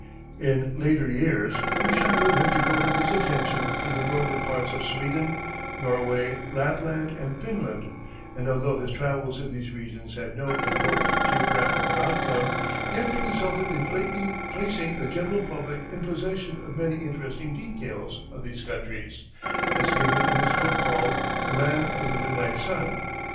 In later years Du Chaillu has devoted his attention to the northern parts of Sweden, Norway, Lapland, and Finland, and although his travels in these regions had no important geographical outcome, yet they resulted in lately placing the general public in possession of many interesting details of these countries, as given in his book called "The Land of the Midnight Sun."